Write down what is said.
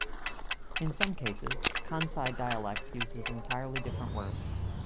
In some cases, Kansai dialect uses entirely different words.